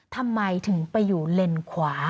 ทำไมถึงไปอยู่เลนขวา